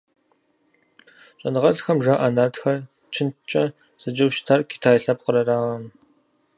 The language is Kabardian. Щӏэныгъэлӏхэм жаӏэ Нартхэр чынткӏэ зэджэу щытар Китай лъэпкъыр арауэ.